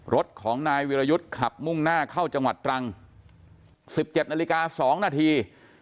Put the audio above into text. รถของนายวิรยุทธ์ขับมุ่งหน้าเข้าจังหวัดตรัง๑๗นาฬิกา๒นาที